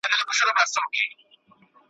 نه ګناهکار نه څوک بخښنه غواړي